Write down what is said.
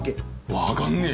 わかんねぇ。